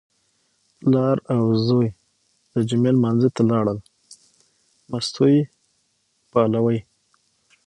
پلار او زوی د جمعې لمانځه ته لاړل، مستو یې پالوې.